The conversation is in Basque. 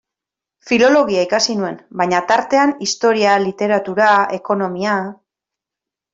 Filologia ikasi nuen, baina, tartean, historia, literatura, ekonomia...